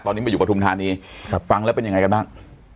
ตอนนี้มาอยู่ปฐุมธานีฟังแล้วเป็นยังไงกันบ้าง